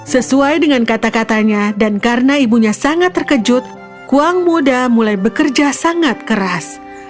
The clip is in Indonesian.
sesuai dengan kata katanya dan karena ibunya sangat terkejut kuang muda mulai bekerja sangat keras